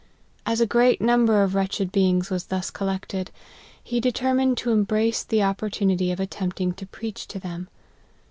As a great number of wretched be ings was thus collected, he determined to embrace the opportunity of attempting to preach to them.